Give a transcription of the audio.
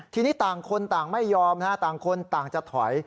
ทีนี้ต่างคนต่างไม่ยอมต่างคนต่างจะถอย